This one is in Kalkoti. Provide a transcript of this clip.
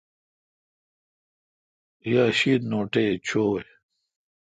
یی شیتھ نوٹی چوی۔